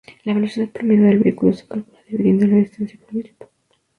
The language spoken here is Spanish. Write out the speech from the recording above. La velocidad promedio del vehículo se calcula dividiendo la distancia por el tiempo.